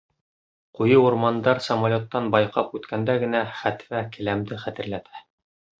Ҡуйы урмандар самолеттан байҡап үткәндә генә хәтфә келәмде хәтерләтә.